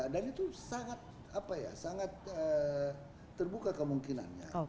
dan itu sangat terbuka kemungkinannya